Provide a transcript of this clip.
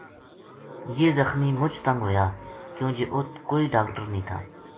یہ زخمی مُچ تنگ ہویا کیوں جے اُت کوئی ڈاکٹر نیہہ تھا